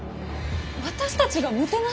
私たちがもてなす？